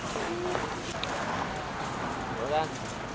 เดี๋ยวกัน